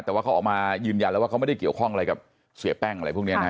แต่ว่าเขาออกมายืนยันแล้วว่าเขาไม่ได้เกี่ยวข้องอะไรกับเสียแป้งอะไรพวกนี้นะฮะ